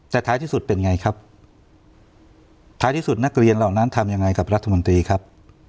แต่ท้ายที่สุดเป็นไงครับท้ายที่สุดนักเรียนเหล่านั้นทำยังไงกับรัฐมนตรีครับ